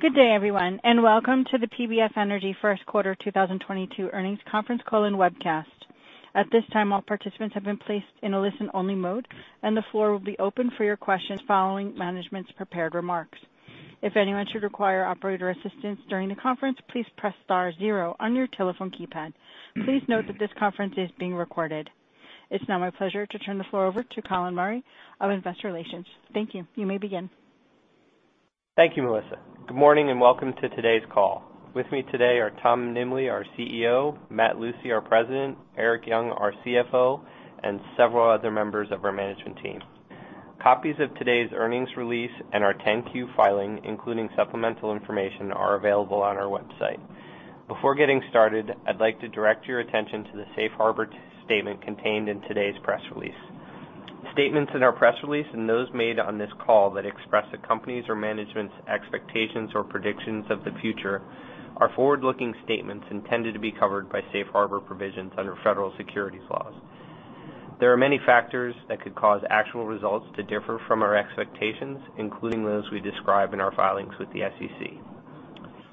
Good day, everyone, and welcome to the PBF Energy First Quarter 2022 Earnings Conference Call and Webcast. At this time, all participants have been placed in a listen-only mode, and the floor will be open for your questions following management's prepared remarks. If anyone should require operator assistance during the conference, please press star zero on your telephone keypad. Please note that this conference is being recorded. It's now my pleasure to turn the floor over to Colin Murray of Investor Relations. Thank you. You may begin. Thank you, Melissa. Good morning, and welcome to today's call. With me today are Tom Nimbley, our CEO, Matt Lucey, our President, Erik Young, our CFO, and several other members of our management team. Copies of today's earnings release and our 10-Q filing, including supplemental information, are available on our website. Before getting started, I'd like to direct your attention to the safe harbor statement contained in today's press release. Statements in our press release and those made on this call that express the company's or management's expectations or predictions of the future are forward-looking statements intended to be covered by safe harbor provisions under federal securities laws. There are many factors that could cause actual results to differ from our expectations, including those we describe in our filings with the SEC.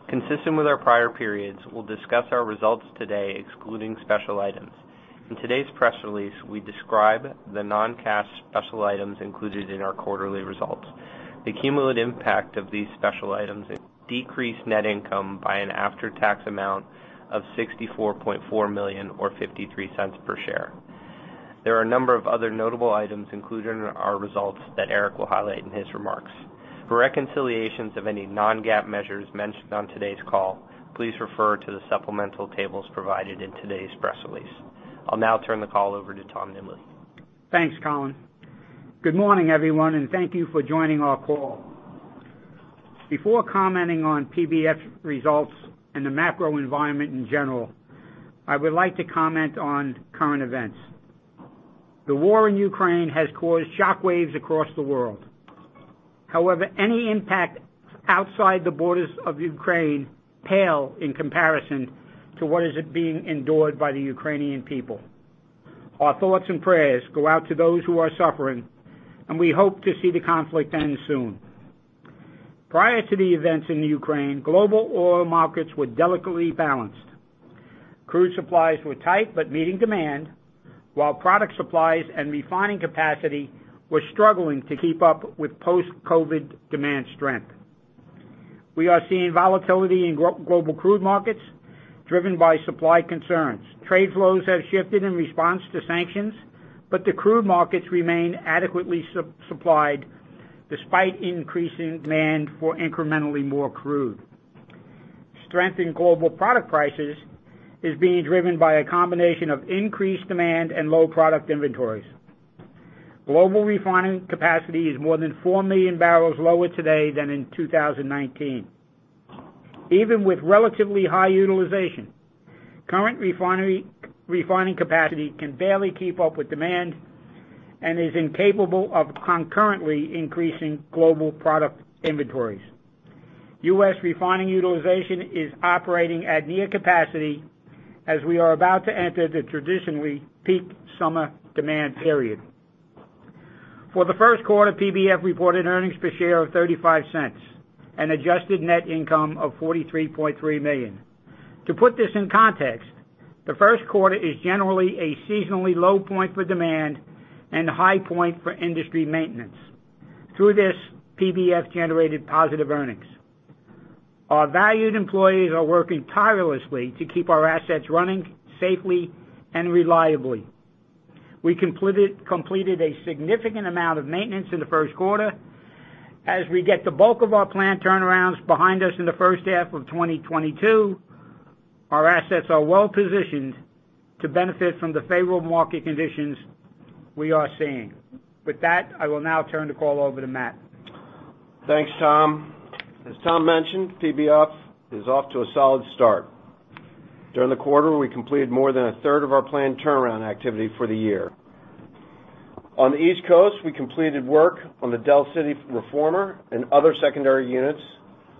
Consistent with our prior periods, we'll discuss our results today excluding special items. In today's press release, we describe the non-cash special items included in our quarterly results. The cumulative impact of these special items decreased net income by an after-tax amount of $64.4 million or $0.53 per share. There are a number of other notable items included in our results that Erik will highlight in his remarks. For reconciliations of any non-GAAP measures mentioned on today's call, please refer to the supplemental tables provided in today's press release. I'll now turn the call over to Tom Nimbley. Thanks, Colin. Good morning, everyone, and thank you for joining our call. Before commenting on PBF results and the macro environment in general, I would like to comment on current events. The war in Ukraine has caused shockwaves across the world. However, any impact outside the borders of Ukraine pale in comparison to what is being endured by the Ukrainian people. Our thoughts and prayers go out to those who are suffering, and we hope to see the conflict end soon. Prior to the events in Ukraine, global oil markets were delicately balanced. Crude supplies were tight but meeting demand, while product supplies and refining capacity were struggling to keep up with post-COVID demand strength. We are seeing volatility in global crude markets driven by supply concerns. Trade flows have shifted in response to sanctions, but the crude markets remain adequately supplied despite increasing demand for incrementally more crude. Strength in global product prices is being driven by a combination of increased demand and low product inventories. Global refining capacity is more than 4 million barrels lower today than in 2019. Even with relatively high utilization, current refining capacity can barely keep up with demand and is incapable of concurrently increasing global product inventories. U.S. refining utilization is operating at near capacity as we are about to enter the traditionally peak summer demand period. For the first quarter, PBF reported earnings per share of $0.35, an adjusted net income of $43.3 million. To put this in context, the first quarter is generally a seasonally low point for demand and a high point for industry maintenance. Through this, PBF generated positive earnings. Our valued employees are working tirelessly to keep our assets running safely and reliably. We completed a significant amount of maintenance in the first quarter. As we get the bulk of our planned turnarounds behind us in the first half of 2022, our assets are well-positioned to benefit from the favorable market conditions we are seeing. With that, I will now turn the call over to Matt. Thanks, Tom. As Tom mentioned, PBF is off to a solid start. During the quarter, we completed more than a third of our planned turnaround activity for the year. On the East Coast, we completed work on the Delaware City reformer and other secondary units,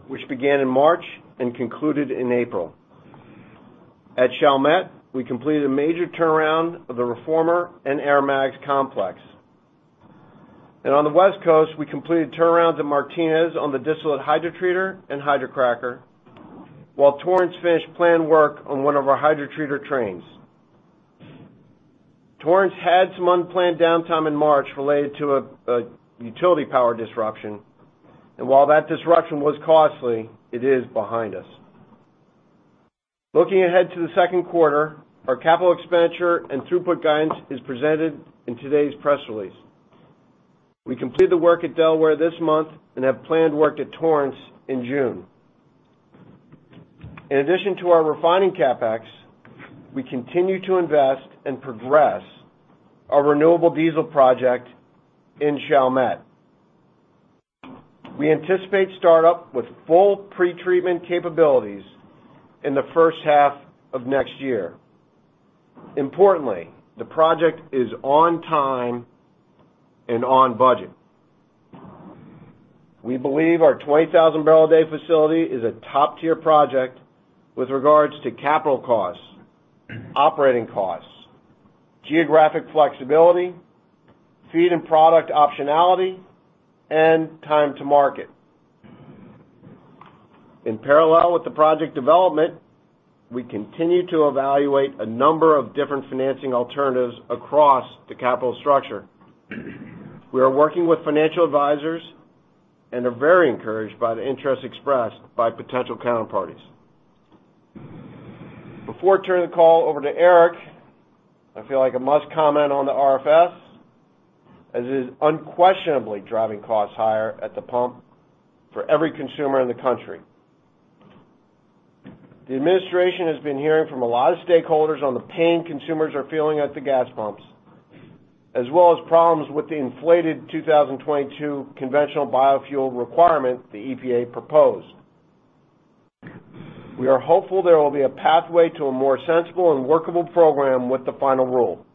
which began in March and concluded in April. At Chalmette, we completed a major turnaround of the reformer and aromatics complex. On the West Coast, we completed turnarounds at Martinez on the distillate hydrotreater and hydrocracker, while Torrance finished planned work on one of our hydrotreater trains. Torrance had some unplanned downtime in March related to a utility power disruption, and while that disruption was costly, it is behind us. Looking ahead to the second quarter, our capital expenditure and throughput guidance is presented in today's press release. We completed the work at Delaware this month and have planned work at Torrance in June. In addition to our refining CapEx, we continue to invest and progress our renewable diesel project in Chalmette. We anticipate startup with full pretreatment capabilities in the first half of next year. Importantly, the project is on time and on budget. We believe our 20,000-barrel-a-day facility is a top-tier project with regards to capital costs, operating costs, geographic flexibility, feed and product optionality and time to market. In parallel with the project development, we continue to evaluate a number of different financing alternatives across the capital structure. We are working with financial advisors and are very encouraged by the interest expressed by potential counterparties. Before turning the call over to Erik, I feel like I must comment on the RFS as it is unquestionably driving costs higher at the pump for every consumer in the country. The administration has been hearing from a lot of stakeholders on the pain consumers are feeling at the gas pumps, as well as problems with the inflated 2022 conventional biofuel requirement the EPA proposed. We are hopeful there will be a pathway to a more sensible and workable program with the final rule.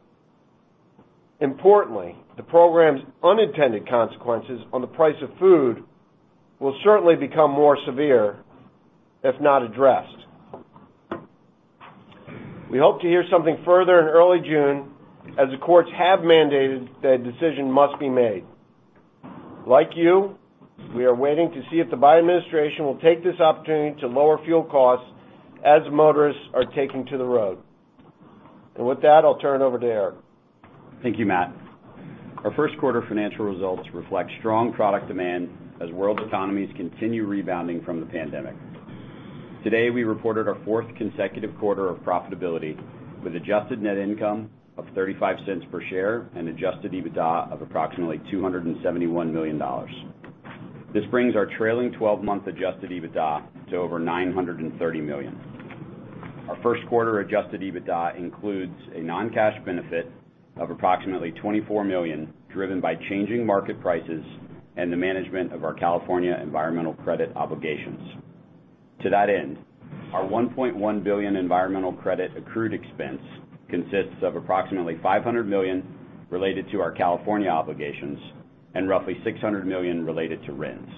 Importantly, the program's unintended consequences on the price of food will certainly become more severe if not addressed. We hope to hear something further in early June as the courts have mandated that a decision must be made. Like you, we are waiting to see if the Biden administration will take this opportunity to lower fuel costs as motorists are taking to the road. With that, I'll turn it over to Erik. Thank you, Matt. Our first quarter financial results reflect strong product demand as world economies continue rebounding from the pandemic. Today, we reported our fourth consecutive quarter of profitability with adjusted net income of $0.35 per share and adjusted EBITDA of approximately $271 million. This brings our trailing 12-month adjusted EBITDA to over $930 million. Our first quarter adjusted EBITDA includes a non-cash benefit of approximately $24 million, driven by changing market prices and the management of our California environmental credit obligations. To that end, our $1.1 billion environmental credit accrued expense consists of approximately $500 million related to our California obligations and roughly $600 million related to RINs.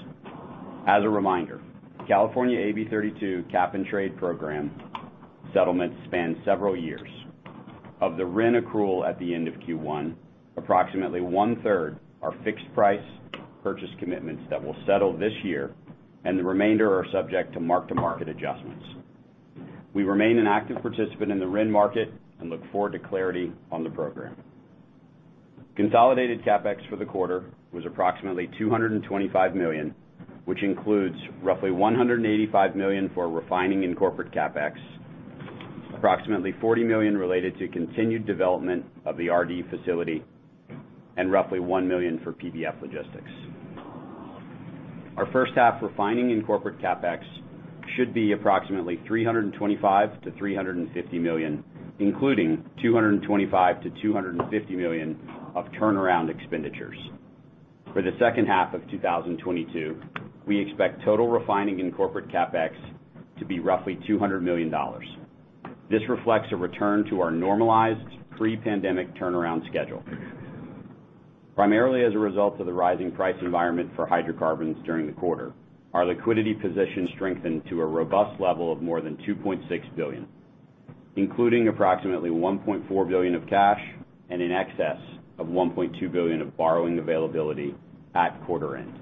As a reminder, California AB 32 cap-and-trade program settlement spans several years. Of the RIN accrual at the end of Q1, approximately 1/3 are fixed price purchase commitments that will settle this year, and the remainder are subject to mark-to-market adjustments. We remain an active participant in the RIN market and look forward to clarity on the program. Consolidated CapEx for the quarter was approximately $225 million, which includes roughly $185 million for refining and corporate CapEx, approximately $40 million related to continued development of the RD facility, and roughly $1 million for PBF Logistics. Our first half refining and corporate CapEx should be approximately $325 million-$350 million, including $225 million-$250 million of turnaround expenditures. For the second half of 2022, we expect total refining and corporate CapEx to be roughly $200 million. This reflects a return to our normalized pre-pandemic turnaround schedule. Primarily as a result of the rising price environment for hydrocarbons during the quarter, our liquidity position strengthened to a robust level of more than $2.6 billion, including approximately $1.4 billion of cash and in excess of $1.2 billion of borrowing availability at quarter end.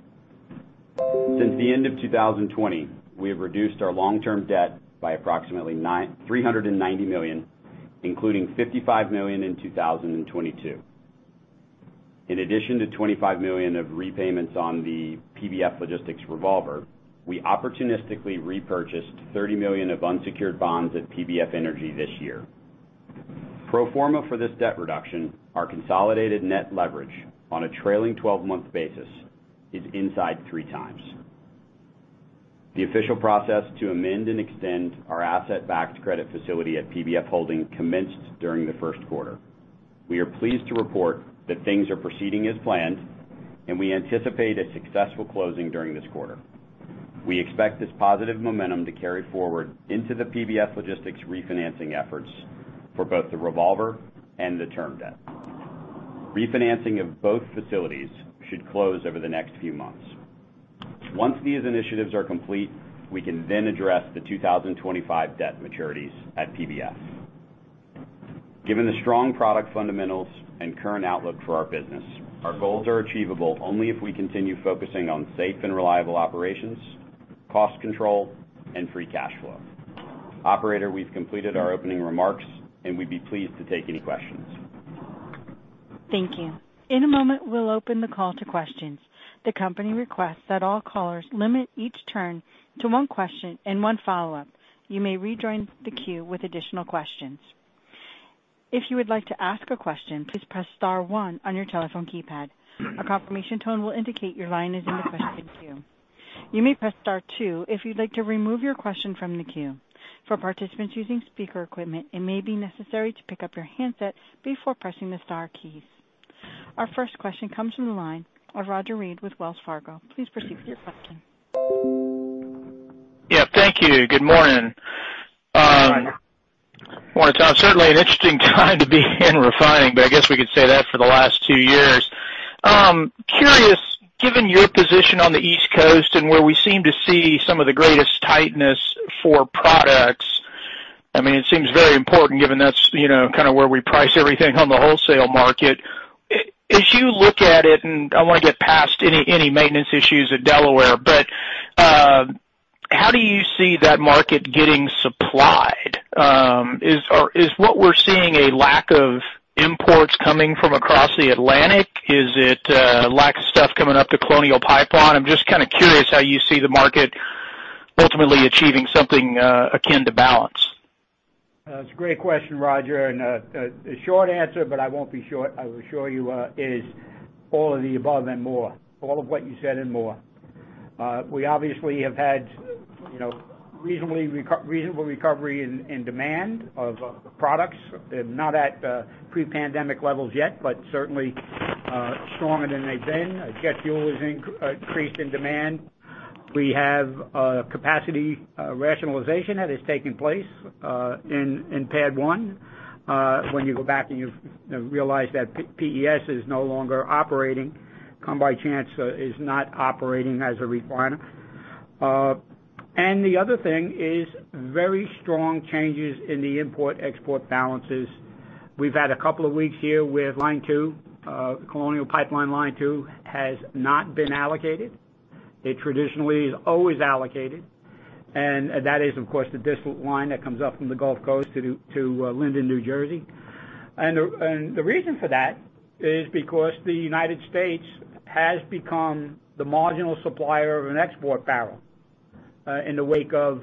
Since the end of 2020, we have reduced our long-term debt by approximately $990 million, including $55 million in 2022. In addition to $25 million of repayments on the PBF Logistics revolver, we opportunistically repurchased $30 million of unsecured bonds at PBF Energy this year. Pro forma for this debt reduction, our consolidated net leverage on a trailing 12-month basis is inside 3x. The official process to amend and extend our asset-backed credit facility at PBF Holding commenced during the first quarter. We are pleased to report that things are proceeding as planned, and we anticipate a successful closing during this quarter. We expect this positive momentum to carry forward into the PBF Logistics refinancing efforts for both the revolver and the term debt. Refinancing of both facilities should close over the next few months. Once these initiatives are complete, we can then address the 2025 debt maturities at PBF. Given the strong product fundamentals and current outlook for our business, our goals are achievable only if we continue focusing on safe and reliable operations, cost control, and free cash flow. Operator, we've completed our opening remarks, and we'd be pleased to take any questions. Thank you. In a moment, we'll open the call to questions. The company requests that all callers limit each turn to one question and one follow-up. You may rejoin the queue with additional questions. If you would like to ask a question, please press star one on your telephone keypad. A confirmation tone will indicate your line is in the question queue. You may press star two if you'd like to remove your question from the queue. For participants using speaker equipment, it may be necessary to pick up your handset before pressing the star keys. Our first question comes from the line of Roger Read with Wells Fargo. Please proceed with your question. Yeah, thank you. Good morning. Well, it's certainly an interesting time to be in refining, but I guess we could say that for the last two years. Curious, given your position on the East Coast and where we seem to see some of the greatest tightness for products. I mean, it seems very important given that's, you know, kind of where we price everything on the wholesale market. As you look at it, and I want to get past any maintenance issues at Delaware City, but how do you see that market getting supplied? Or is what we're seeing a lack of imports coming from across the Atlantic? Is it lack of stuff coming up to Colonial Pipeline? I'm just kind of curious how you see the market ultimately achieving something akin to balance. It's a great question, Roger, and a short answer, but I won't be short, I will assure you, is all of the above and more. All of what you said and more. We obviously have had, you know, reasonable recovery in demand of products. Not at pre-pandemic levels yet, but certainly stronger than they've been. Jet fuel is increased in demand. We have capacity rationalization that has taken place in PADD 1. When you go back and you know, realize that PES is no longer operating, Come By Chance is not operating as a refiner. The other thing is very strong changes in the import-export balances. We've had a couple of weeks here where Line 2, Colonial Pipeline Line 2 has not been allocated. It traditionally is always allocated, and that is, of course, the distillate line that comes up from the Gulf Coast to Linden, New Jersey. The reason for that is because the United States has become the marginal supplier of an export barrel, in the wake of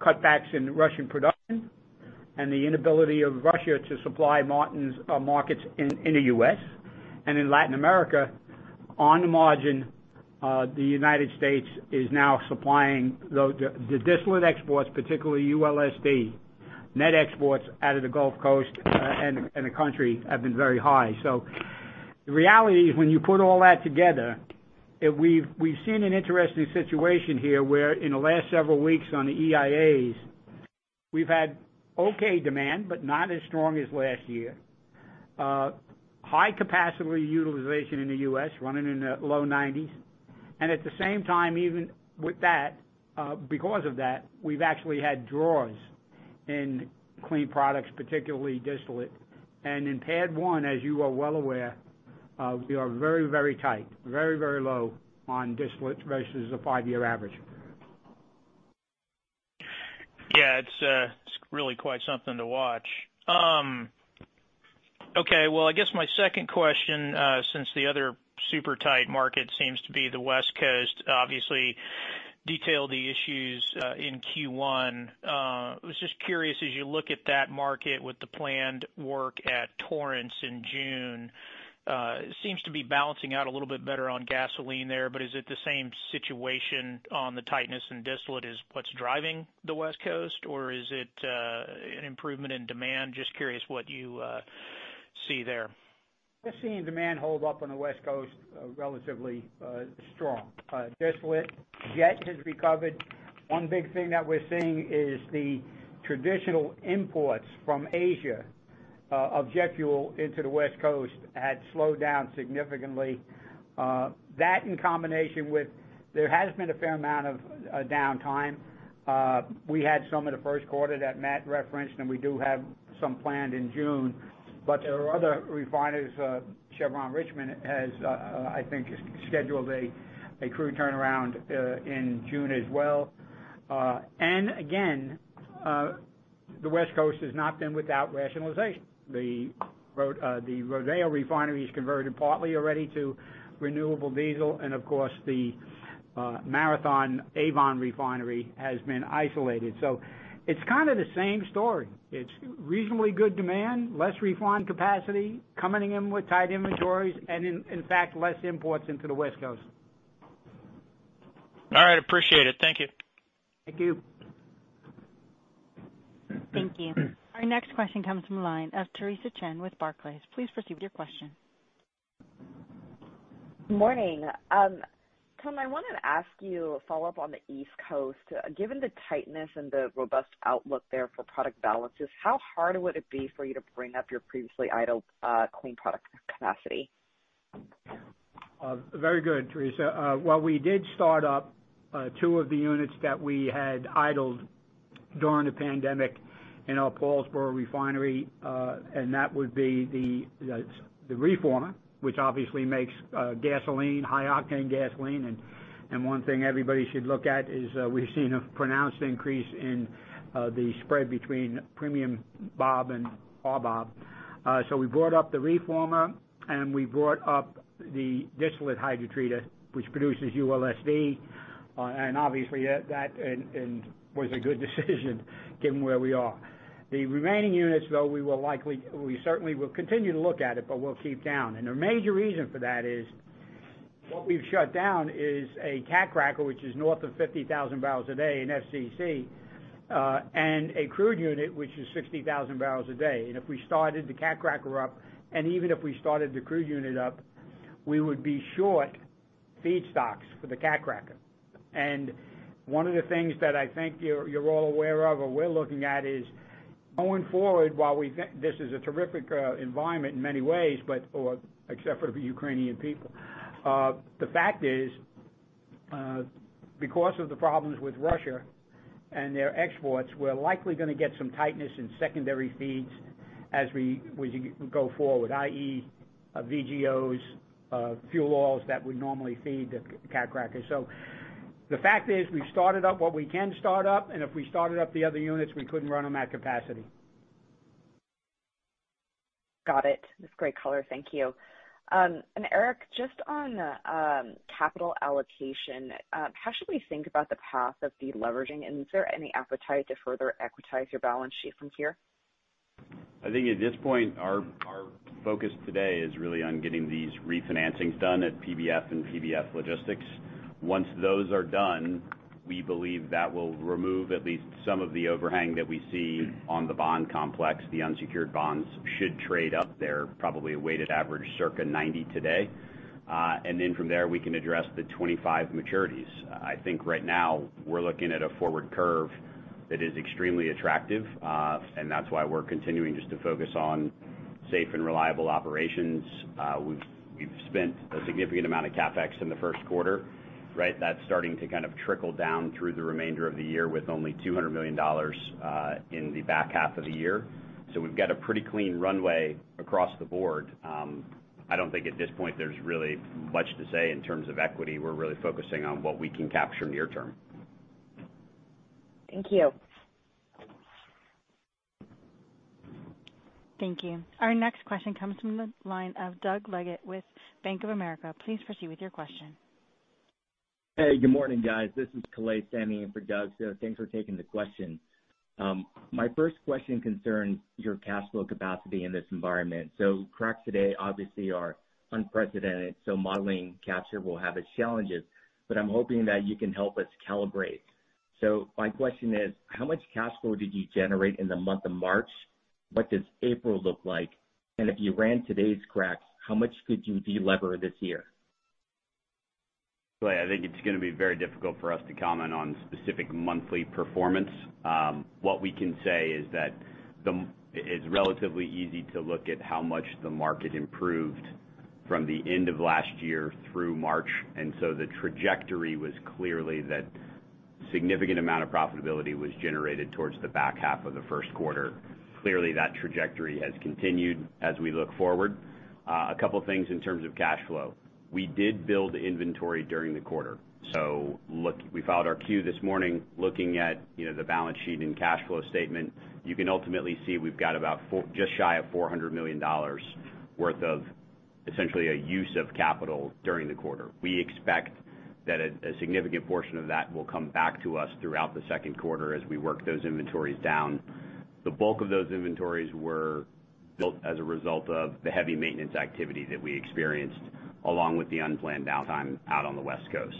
cutbacks in Russian production and the inability of Russia to supply markets in the U.S. In Latin America, on the margin, the United States is now supplying the distillate exports, particularly ULSD. Net exports out of the Gulf Coast and the country have been very high. The reality is, when you put all that together, and we've seen an interesting situation here, where in the last several weeks on the EIAs, we've had okay demand, but not as strong as last year. High capacity utilization in the U.S. running in the low 90s. At the same time, even with that, because of that, we've actually had draws in clean products, particularly distillate. In PADD 1, as you are well aware, we are very, very tight. Very, very low on distillate vs the five-year average. Yeah. It's really quite something to watch. Okay. Well, I guess my second question, since the other super tight market seems to be the West Coast, obviously detailed the issues in Q1. Was just curious, as you look at that market with the planned work at Torrance in June, seems to be balancing out a little bit better on gasoline there, but is it the same situation on the tightness and distillate is what's driving the West Coast, or is it an improvement in demand? Just curious what you see there. We're seeing demand hold up on the West Coast, relatively strong. Distillate jet has recovered. One big thing that we're seeing is the traditional imports from Asia of jet fuel into the West Coast had slowed down significantly. That in combination with there has been a fair amount of downtime. We had some in the first quarter that Matt referenced, and we do have some planned in June. There are other refiners, Chevron Richmond has, I think, scheduled a crude turnaround in June as well. Again, the West Coast has not been without rationalization. The Rodeo Refinery is converted partly already to renewable diesel, and of course, the Marathon Martinez Refinery has been isolated. It's kind of the same story. It's reasonably good demand, less refining capacity, coming in with tight inventories, and in fact, less imports into the West Coast. All right. Appreciate it. Thank you. Thank you. Thank you. Our next question comes from line of Theresa Chen with Barclays. Please proceed with your question. Morning. Tom, I wanted to ask you a follow-up on the East Coast. Given the tightness and the robust outlook there for product balances, how hard would it be for you to bring up your previously idled, clean product capacity? Very good, Teresa. Well, we did start up two of the units that we had idled during the pandemic in our Paulsboro Refinery, and that would be the reformer, which obviously makes gasoline, high octane gasoline. One thing everybody should look at is we've seen a pronounced increase in the spread between premium RBOB and regular RBOB. We brought up the reformer and we brought up the distillate hydrotreater, which produces ULSD. Obviously, that was a good decision given where we are. The remaining units, though, we certainly will continue to look at it, but we'll keep down. The major reason for that is what we've shut down is a cat cracker, which is north of 50,000 barrels a day in FCC, and a crude unit, which is 60,000 barrels a day. If we started the cat cracker up, and even if we started the crude unit up, we would be short feedstocks for the cat cracker. One of the things that I think you're all aware of or we're looking at is, going forward while we this is a terrific environment in many ways, but or except for the Ukrainian people, the fact is, because of the problems with Russia and their exports, we're likely gonna get some tightness in secondary feeds as we go forward, i.e., VGOs, fuel oils that would normally feed the cat cracker. The fact is, we've started up what we can start up, and if we started up the other units, we couldn't run them at capacity. Got it. That's great color. Thank you. Erik, just on capital allocation, how should we think about the path of deleveraging, and is there any appetite to further equitize your balance sheet from here? I think at this point, our focus today is really on getting these refinancings done at PBF and PBF Logistics. Once those are done, we believe that will remove at least some of the overhang that we see on the bond complex. The unsecured bonds should trade up there, probably a weighted average circa 90 today. And then from there, we can address the 25 maturities. I think right now we're looking at a forward curve that is extremely attractive, and that's why we're continuing just to focus on safe and reliable operations. We've spent a significant amount of CapEx in the first quarter, right? That's starting to kind of trickle down through the remainder of the year with only $200 million in the back half of the year. We've got a pretty clean runway across the board. I don't think at this point there's really much to say in terms of equity. We're really focusing on what we can capture near term. Thank you. Thank you. Our next question comes from the line of Doug Leggate with Bank of America. Please proceed with your question. Hey, good morning, guys. This is Kalei standing in for Doug. Thanks for taking the question. My first question concerns your cash flow capacity in this environment. Cracks today obviously are unprecedented, so modeling capture will have its challenges, but I'm hoping that you can help us calibrate. My question is, how much cash flow did you generate in the month of March? What does April look like? If you ran today's cracks, how much could you de-lever this year? Kalei, I think it's gonna be very difficult for us to comment on specific monthly performance. What we can say is that it's relatively easy to look at how much the market improved from the end of last year through March, and so the trajectory was clearly that significant amount of profitability was generated towards the back half of the first quarter. Clearly, that trajectory has continued as we look forward. A couple things in terms of cash flow. We did build inventory during the quarter. Look, we filed our 10-Q this morning. Looking at, you know, the balance sheet and cash flow statement, you can ultimately see we've got about just shy of $400 million worth of essentially a use of capital during the quarter. We expect that a significant portion of that will come back to us throughout the second quarter as we work those inventories down. The bulk of those inventories were built as a result of the heavy maintenance activity that we experienced, along with the unplanned downtime out on the West Coast.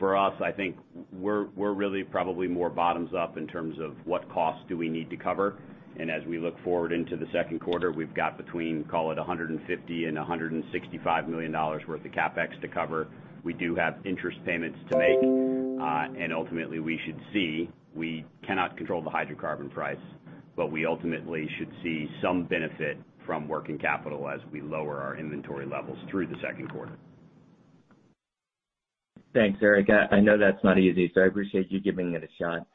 For us, I think we're really probably more bottoms up in terms of what costs do we need to cover. As we look forward into the second quarter, we've got between $150 million and $165 million worth of CapEx to cover. We do have interest payments to make, and ultimately we should see. We cannot control the hydrocarbon price, but we ultimately should see some benefit from working capital as we lower our inventory levels through the second quarter. Thanks, Erik. I know that's not easy, so I appreciate you giving it a shot.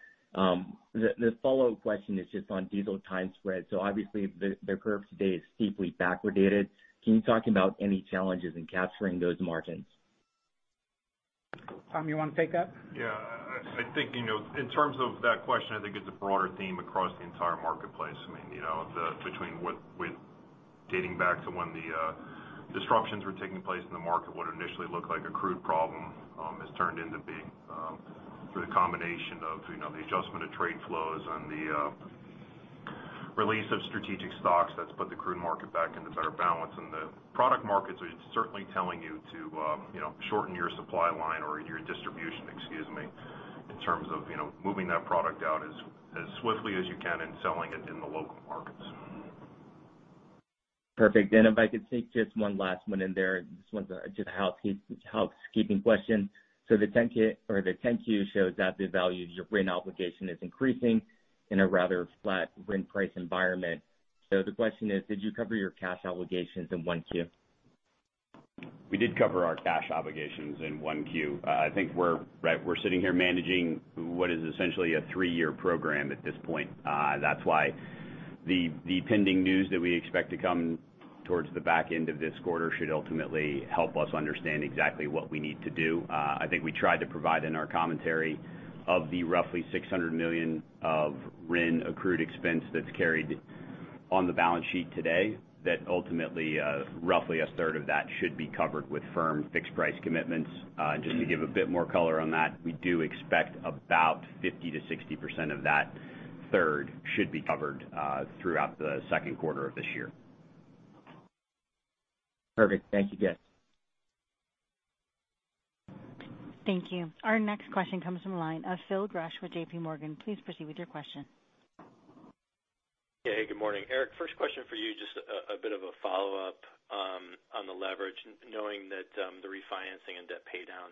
The follow-up question is just on diesel time spread. Obviously the curve today is deeply backwardated. Can you talk about any challenges in capturing those margins? Tom, you wanna take that? Yeah. I think, you know, in terms of that question, I think it's a broader theme across the entire marketplace. I mean, you know, dating back to when the disruptions were taking place in the market, what initially looked like a crude problem has turned into being the combination of, you know, the adjustment of trade flows and the release of strategic stocks that's put the crude market back into better balance. The product markets are certainly telling you to, you know, shorten your supply line or your distribution, excuse me, in terms of, you know, moving that product out as swiftly as you can and selling it in the local markets. Perfect. If I could sneak just one last one in there. This one's just a housekeeping question. The 10-K or the 10-Q shows that the value of your RIN obligation is increasing in a rather flat RIN price environment. The question is, did you cover your cash obligations in 1Q? We did cover our cash obligations in 1Q. I think we're sitting here managing what is essentially a three-year program at this point. That's why the pending news that we expect to come towards the back end of this quarter should ultimately help us understand exactly what we need to do. I think we tried to provide in our commentary of the roughly $600 million of RIN accrued expense that's carried on the balance sheet today, that ultimately, roughly a third of that should be covered with firm fixed price commitments. Just to give a bit more color on that, we do expect about 50%-60% of that third should be covered throughout the second quarter of this year. Perfect. Thank you, guys. Thank you. Our next question comes from the line of Phil Gresh with JPMorgan. Please proceed with your question. Hey, good morning. Erik, first question for you. Just a bit of a follow-up on the leverage, knowing that the refinancing and debt pay down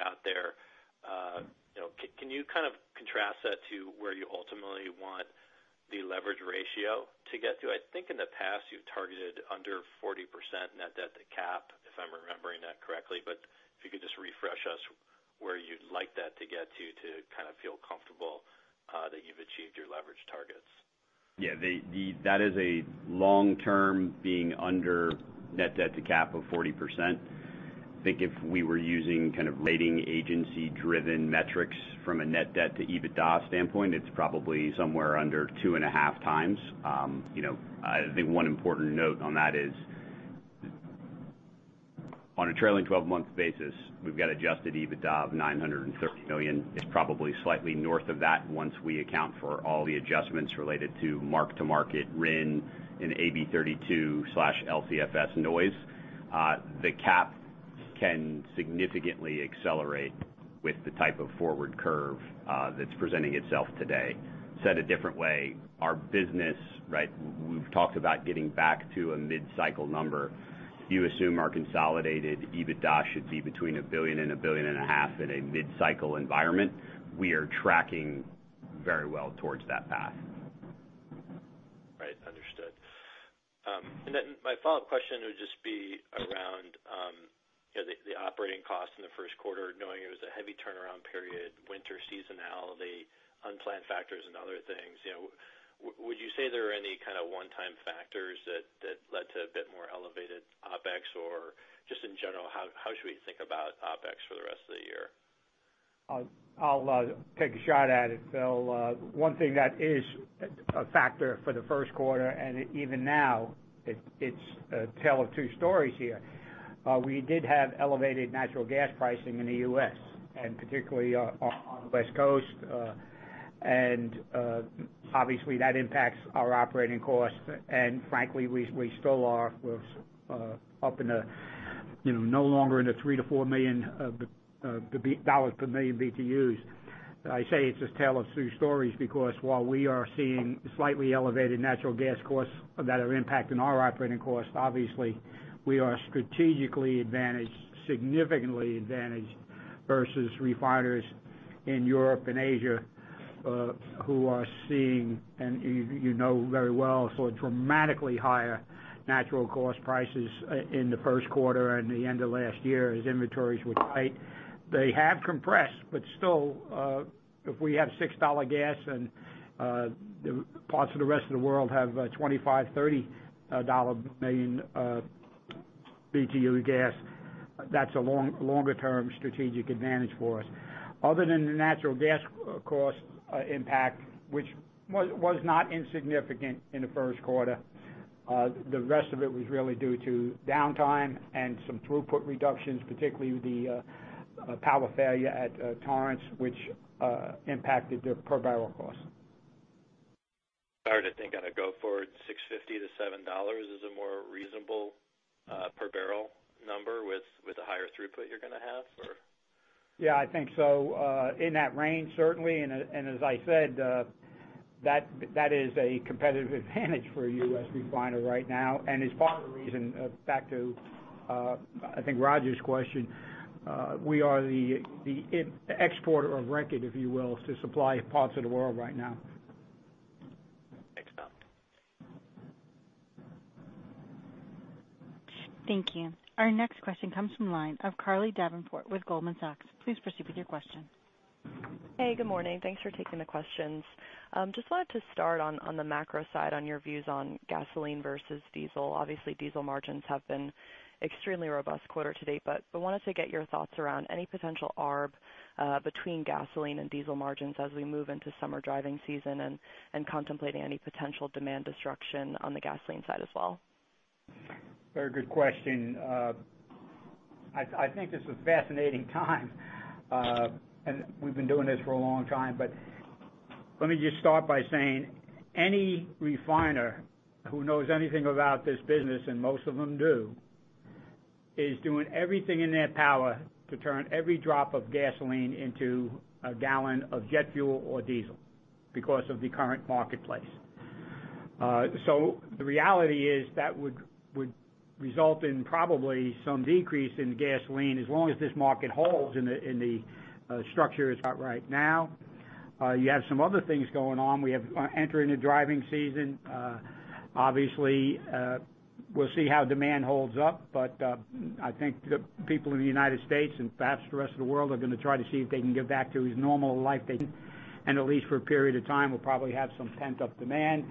out there. You know, can you kind of contrast that to where you ultimately want the leverage ratio to get to? I think in the past, you've targeted under 40% net debt to cap, if I'm remembering that correctly. If you could just refresh us where you'd like that to get to kind of feel comfortable that you've achieved your leverage targets. That is a long-term being under net debt to cap of 40%. I think if we were using kind of rating agency-driven metrics from a net debt to EBITDA standpoint, it's probably somewhere under 2.5x. You know, I think one important note on that is, on a trailing 12-month basis, we've got adjusted EBITDA of $930 million. It's probably slightly north of that once we account for all the adjustments related to mark-to-market RIN and AB 32/LCFS noise. The cap can significantly accelerate with the type of forward curve that's presenting itself today. Said a different way, our business, right, we've talked about getting back to a mid-cycle number. If you assume our consolidated EBITDA should be between $1 billion-$1.5 billion in a mid-cycle environment, we are tracking very well towards that path. Right. Understood. My follow-up question would just be around, you know, the operating costs in the first quarter, knowing it was a heavy turnaround period, winter seasonality, unplanned factors and other things. You know, would you say there are any kind of one-time factors that led to a bit more elevated OpEx? Just in general, how should we think about OpEx for the rest of the year? I'll take a shot at it, Phil. One thing that is a factor for the first quarter, and even now it's a tale of two stories here. We did have elevated natural gas pricing in the U.S. and particularly on the West Coast. Obviously, that impacts our operating costs. Frankly, we still are up in the, you know, no longer in the $3-$4 per million BTUs. I say it's a tale of two stories because while we are seeing slightly elevated natural gas costs that are impacting our operating costs. Obviously, we are strategically advantaged, significantly advantaged vs refiners in Europe and Asia, who are seeing, and you know very well, so dramatically higher natural gas prices in the first quarter and the end of last year as inventories were tight. They have compressed, but still, if we have $6 gas and parts of the rest of the world have $25-$30 million BTU gas, that's a longer term strategic advantage for us. Other than the natural gas cost impact, which was not insignificant in the first quarter, the rest of it was really due to downtime and some throughput reductions, particularly the power failure at Torrance, which impacted the per barrel cost. Sorry to think on a go forward $6.50-$7 is a more reasonable per barrel number with the higher throughput you're gonna have or? Yeah, I think so. In that range, certainly. As I said, that is a competitive advantage for a U.S. refiner right now and is part of the reason, back to, I think, Roger's question, we are the exporter of record, if you will, to supply parts of the world right now. Thanks, Tom. Thank you. Our next question comes from the line of Carly Davenport with Goldman Sachs. Please proceed with your question. Hey, good morning. Thanks for taking the questions. Just wanted to start on the macro side on your views on gasoline vs diesel. Obviously, diesel margins have been extremely robust quarter to date, but I wanted to get your thoughts around any potential arb between gasoline and diesel margins as we move into summer driving season and contemplating any potential demand destruction on the gasoline side as well. Very good question. I think this is a fascinating time, and we've been doing this for a long time. Let me just start by saying any refiner who knows anything about this business, and most of them do, is doing everything in their power to turn every drop of gasoline into a gallon of jet fuel or diesel because of the current marketplace. The reality is that would result in probably some decrease in gasoline as long as this market holds and the structure is out right now. You have some other things going on. We're entering the driving season. Obviously, we'll see how demand holds up, but I think the people in the United States and perhaps the rest of the world are gonna try to see if they can get back to their normal life as they can. At least for a period of time, we'll probably have some pent-up demand.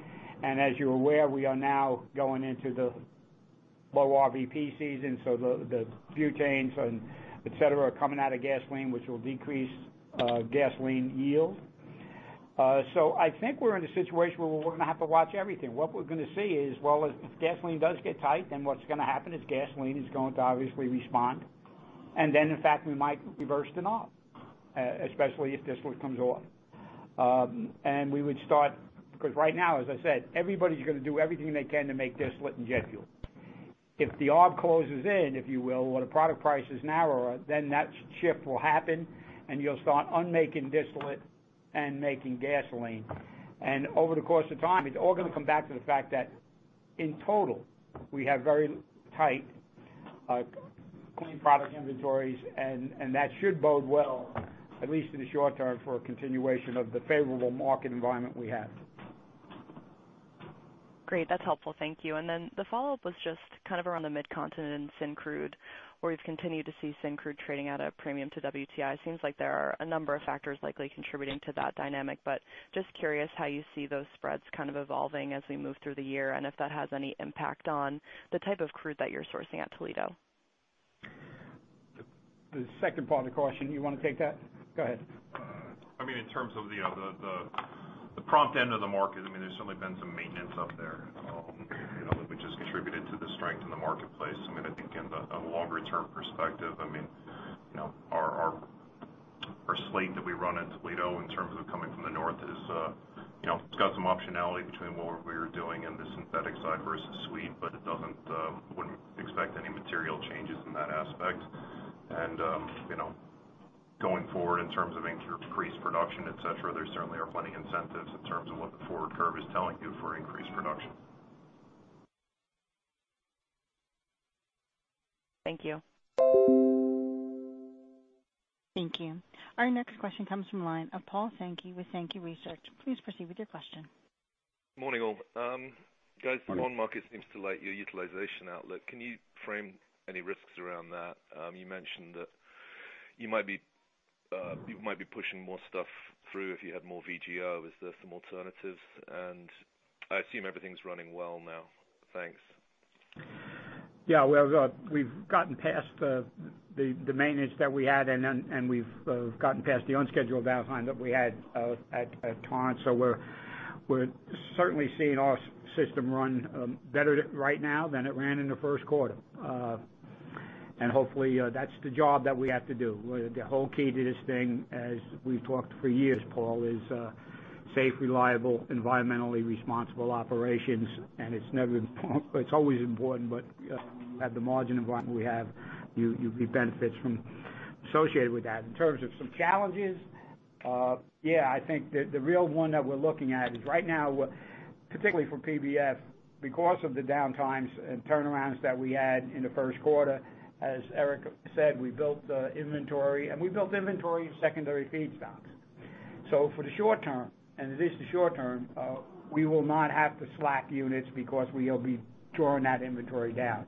As you're aware, we are now going into the low RVP season, so the butanes and et cetera are coming out of gasoline, which will decrease gasoline yield. I think we're in a situation where we're gonna have to watch everything. What we're gonna see is, well, if gasoline does get tight, then what's gonna happen is gasoline is going to obviously respond. In fact, we might reverse it off, especially if this one comes off. We would start. Because right now, as I said, everybody's gonna do everything they can to make distillate, jet fuel. If the arb closes in, if you will, or the product price is narrower, then that shift will happen and you'll stop making distillate and making gasoline. Over the course of time, it's all gonna come back to the fact that in total, we have very tight, clean product inventories and that should bode well, at least in the short term, for a continuation of the favorable market environment we have. Great. That's helpful. Thank you. The follow-up was just kind of around the Midcontinent and Syncrude, where you've continued to see Syncrude trading at a premium to WTI. Seems like there are a number of factors likely contributing to that dynamic, but just curious how you see those spreads kind of evolving as we move through the year, and if that has any impact on the type of crude that you're sourcing at Toledo? The second part of the question, you wanna take that? Go ahead. I mean, in terms of the prompt end of the market, I mean, there's certainly been some maintenance up there, you know, that just contributed to the strength in the marketplace. I mean, I think in a longer term perspective, I mean, you know, our slate that we run at Toledo in terms of coming from the north is, you know, it's got some optionality between what we're doing in the synthetic side vs sweet, but we wouldn't expect any material changes in that aspect. You know, going forward in terms of increased production, et cetera, there certainly are plenty of incentives in terms of what the forward curve is telling you for increased production. Thank you. Thank you. Our next question comes from the line of Paul Sankey with Sankey Research. Please proceed with your question. Morning, all. Guys, the bond market seems to like your utilization outlook. Can you frame any risks around that? You mentioned that you might be pushing more stuff through if you had more VGO. Is there some alternatives? I assume everything's running well now. Thanks. Well, we've gotten past the maintenance that we had, and we've gotten past the unscheduled downtime that we had at Torrance. We're certainly seeing our system run better right now than it ran in the first quarter. Hopefully, that's the job that we have to do. The whole key to this thing, as we've talked for years, Paul, is safe, reliable, environmentally responsible operations. It's never been. It's always important, but in the margin environment we have, the benefits associated with that. In terms of some challenges, I think the real one that we're looking at is right now, particularly for PBF, because of the downtimes and turnarounds that we had in the first quarter. As Erik said, we built the inventory, and we built inventory in secondary feedstocks. For the short term, and it is the short term, we will not have the slack units because we'll be drawing that inventory down.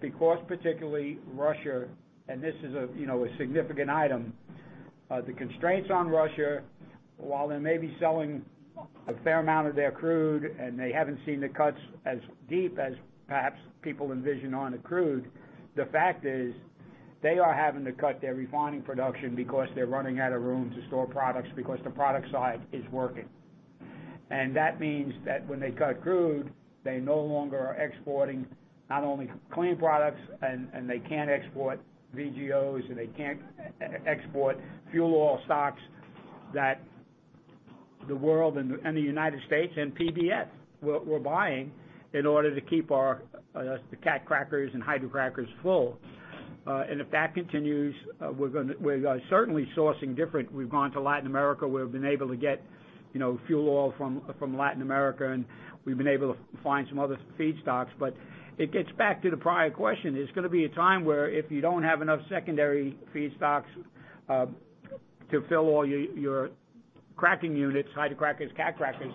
Because particularly Russia, and this is a, you know, a significant item, the constraints on Russia, while they may be selling a fair amount of their crude and they haven't seen the cuts as deep as perhaps people envision on the crude, the fact is they are having to cut their refining production because they're running out of room to store products because the product side is working. That means that when they cut crude, they no longer are exporting not only clean products, and they can't export VGOs, and they can't export fuel oil stocks that the world and the United States and PBF we're buying in order to keep our the cat crackers and hydro crackers full. If that continues, we're certainly sourcing different. We've gone to Latin America, where we've been able to get, you know, fuel oil from Latin America, and we've been able to find some other feedstocks. It gets back to the prior question. There's gonna be a time where if you don't have enough secondary feedstocks to fill all your cracking units, hydro crackers, cat crackers,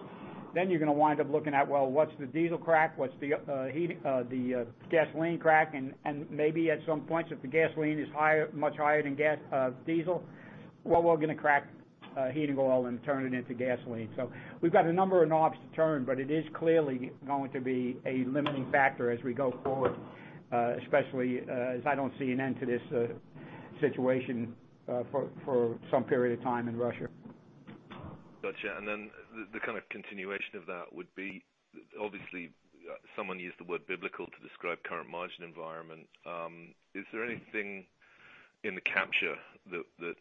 then you're gonna wind up looking at, well, what's the diesel crack? What's the gasoline crack? Maybe at some point, if the gasoline is higher, much higher than gasoil, diesel, well, we're gonna crack heating oil and turn it into gasoline. We've got a number of knobs to turn, but it is clearly going to be a limiting factor as we go forward, especially as I don't see an end to this situation for some period of time in Russia. Gotcha. Then the kind of continuation of that would be, obviously, someone used the word biblical to describe current margin environment. Is there anything in the capture that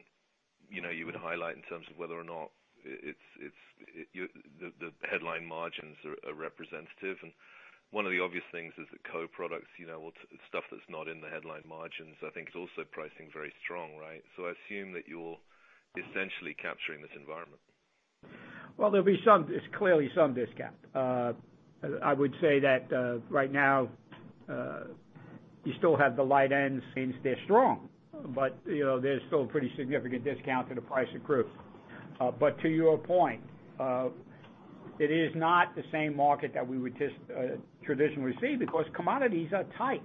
you know you would highlight in terms of whether or not it's the headline margins are representative? One of the obvious things is the co-products, you know, stuff that's not in the headline margins, I think is also pricing very strong, right? I assume that you're essentially capturing this environment. There's clearly some discount. I would say that right now you still have the light ends, they're strong. You know, there's still a pretty significant discount to the price of crude. To your point, it is not the same market that we would traditionally see because commodities are tight.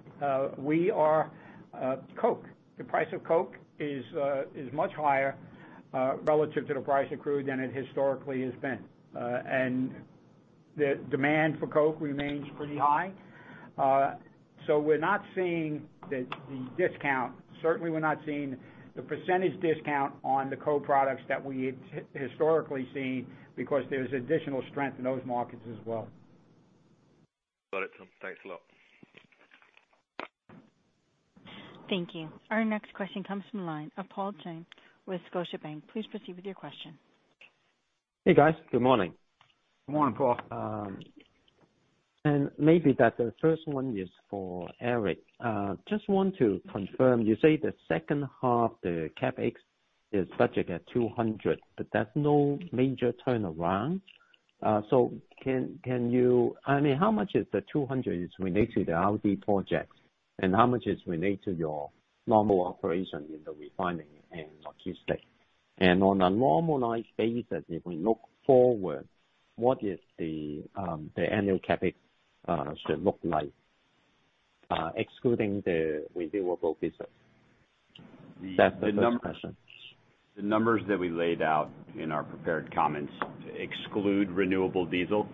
Coke. The price of coke is much higher relative to the price of crude than it historically has been. The demand for coke remains pretty high. We're not seeing the discount. Certainly, we're not seeing the percentage discount on the co-products that we had historically seen because there's additional strength in those markets as well. Got it, Tim. Thanks a lot. Thank you. Our next question comes from the line of Paul Cheng with Scotiabank. Please proceed with your question. Hey, guys. Good morning. Good morning, Paul. Maybe that's the first one for Erik. Just want to confirm, you say the second half, the CapEx is set at $200, but that's no major turnaround. So can you I mean, how much is the $200 related to RD projects, and how much is related to your normal operation in the refining and logistics? On a normalized basis, if we look forward, what is the annual CapEx should look like, excluding the renewable diesel? That's the first question. The numbers that we laid out in our prepared comments exclude renewable diesel.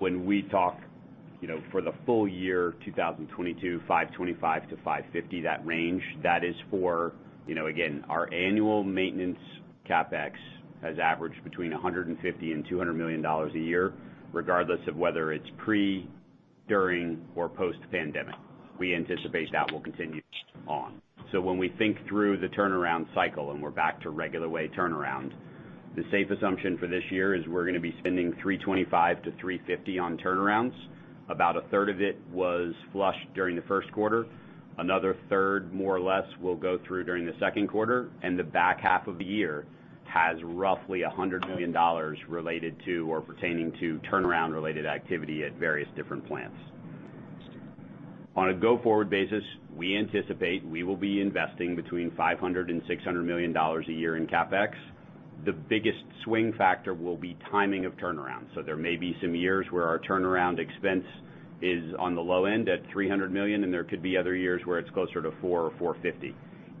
When we talk, you know, for the full year 2022, $525-$550, that range, that is for, you know, again, our annual maintenance CapEx has averaged between $150 and $200 million a year, regardless of whether it's pre, during, or post-pandemic. We anticipate that will continue on. When we think through the turnaround cycle and we're back to regular way turnaround, the safe assumption for this year is we're gonna be spending $325-$350 on turnarounds. About a third of it was flushed during the first quarter. Another third, more or less, will go through during the second quarter, and the back half of the year has roughly $100 million related to or pertaining to turnaround-related activity at various different plants. On a go-forward basis, we anticipate we will be investing between $500 and $600 million a year in CapEx. The biggest swing factor will be timing of turnarounds. There may be some years where our turnaround expense is on the low end at $300 million, and there could be other years where it's closer to $400 or $450.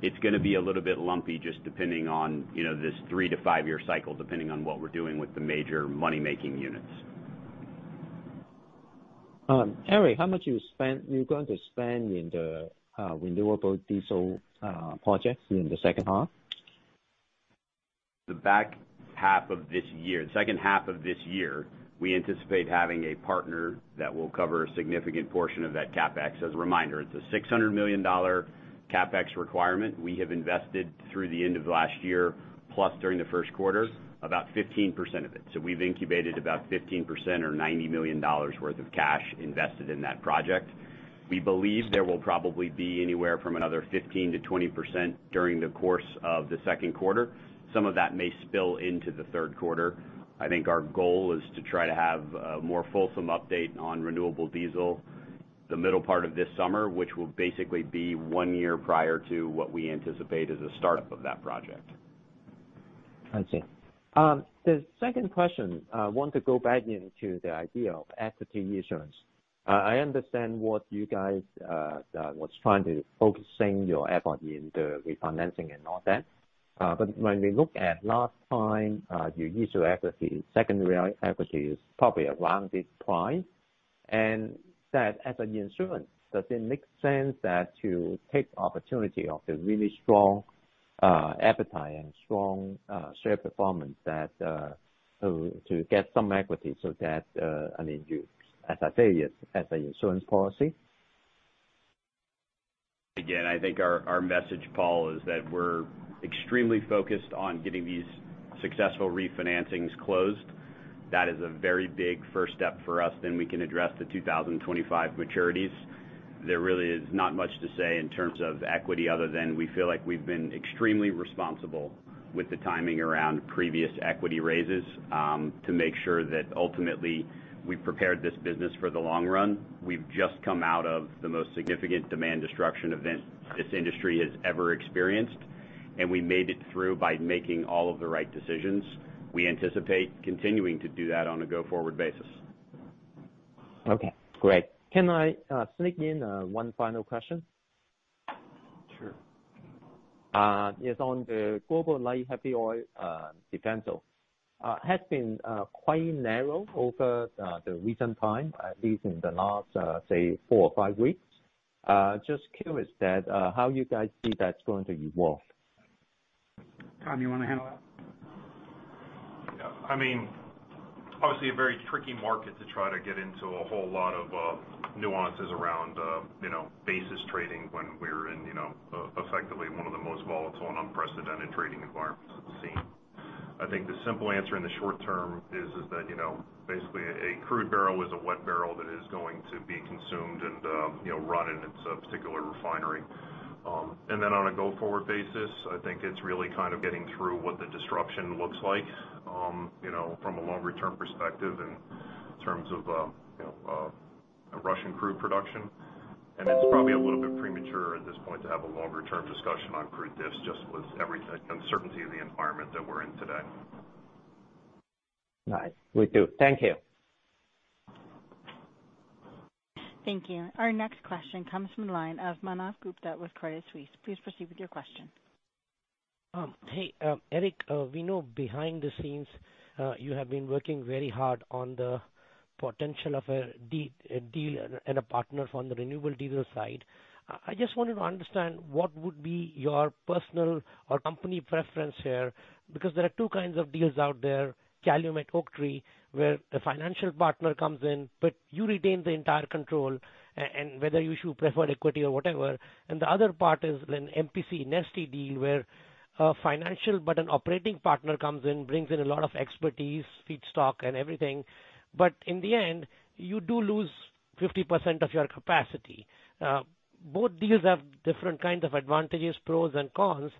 It's gonna be a little bit lumpy just depending on, you know, this three- to five-year cycle, depending on what we're doing with the major money-making units. Erik, how much you're going to spend in the renewable diesel project in the second half? The back half of this year, the second half of this year, we anticipate having a partner that will cover a significant portion of that CapEx. As a reminder, it's a $600 million CapEx requirement. We have invested through the end of last year, plus during the first quarter, about 15% of it. We've incubated about 15% or $90 million worth of cash invested in that project. We believe there will probably be anywhere from another 15%-20% during the course of the second quarter. Some of that may spill into the third quarter. I think our goal is to try to have a more fulsome update on renewable diesel the middle part of this summer, which will basically be one year prior to what we anticipate as a startup of that project. I see. The second question, I want to go back into the idea of equity issuance. I understand what you guys was trying to focusing your effort in the refinancing and all that. But when we look at last time, you used your equity, secondary equity issuance probably around this time. And that as an issuance, does it make sense to take opportunity of the really strong appetite and strong share performance that to get some equity so that, I mean, you, as I say, as an insurance policy? Again, I think our message, Paul, is that we're extremely focused on getting these successful refinancings closed. That is a very big first step for us. Then we can address the 2025 maturities. There really is not much to say in terms of equity other than we feel like we've been extremely responsible with the timing around previous equity raises to make sure that ultimately we've prepared this business for the long run. We've just come out of the most significant demand destruction event this industry has ever experienced, and we made it through by making all of the right decisions. We anticipate continuing to do that on a go-forward basis. Okay, great. Can I sneak in one final question? Sure. Yes, on the global light heavy oil differential has been quite narrow over the recent time, at least in the last say four or five weeks. Just curious that how you guys see that's going to evolve. Tom, you wanna handle that? Yeah. I mean, obviously a very tricky market to try to get into a whole lot of nuances around, you know, basis trading when we're in, you know, effectively one of the most volatile and unprecedented trading environments we've seen. I think the simple answer in the short term is that, you know, basically a crude barrel is a wet barrel that is going to be consumed and, you know, run in its particular refinery. On a go-forward basis, I think it's really kind of getting through what the disruption looks like, you know, from a longer-term perspective in terms of, you know, Russian crude production. It's probably a little bit premature at this point to have a longer-term discussion on crude diff just with the uncertainty of the environment that we're in today. All right. Will do. Thank you. Thank you. Our next question comes from the line of Manav Gupta with Credit Suisse. Please proceed with your question. Hey, Erik, we know behind the scenes you have been working very hard on the potential of a deal and a partner from the renewable diesel side. I just wanted to understand what would be your personal or company preference here, because there are two kinds of deals out there, Calumet/Oaktree, where the financial partner comes in, but you retain the entire control and whether you should prefer equity or whatever. The other part is an MPC/Neste deal where a financial but an operating partner comes in, brings in a lot of expertise, feedstock and everything. In the end, you do lose 50% of your capacity. Both deals have different kinds of advantages, pros and cons.